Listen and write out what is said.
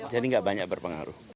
jadi tidak banyak berpengaruh